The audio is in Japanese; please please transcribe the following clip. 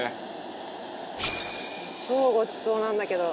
超ごちそうなんだけど。